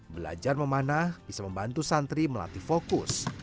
belajar memanah bisa membantu santri melatih fokus